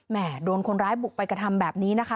โดนคนร้ายบุกไปกระทำแบบนี้นะคะ